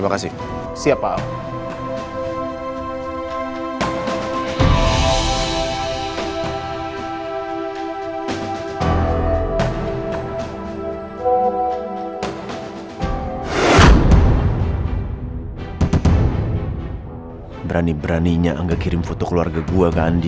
berani beraninya engak kirim foto keluarga gue ke andi